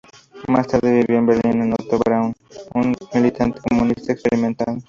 Más tarde vivió en Berlín con Otto Braun, un militante comunista experimentado.